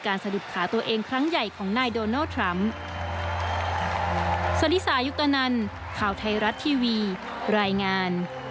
การสะดุบขาตัวเองครั้งใหญ่ของในดโดนัลด์ตร๊อม